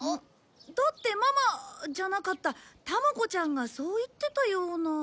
だってママじゃなかった玉子ちゃんがそう言ってたような。